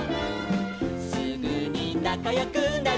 「すぐになかよくなるの」